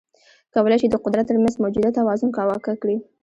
کولای شي د قدرت ترمنځ موجوده توازن کاواکه کړي.